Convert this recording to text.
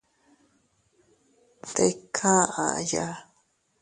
Tika aʼaya.